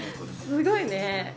すごいね。